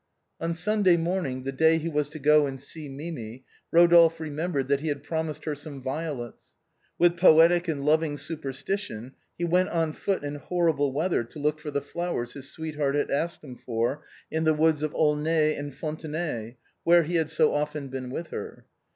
On Sunday morning, the day he was to go and see Mimi, Eodolphe remembered that he had promised her some violets. With poetic and loving superstition he went on foot in horrible Aveather to look for the flowers his sweet heart had asked him for, in the woods of Aulnay and Fontenay, where he had so often been with her.